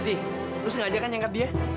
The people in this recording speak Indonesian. ezi lu sengaja kan nyangkat dia